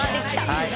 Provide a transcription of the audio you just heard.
「はい」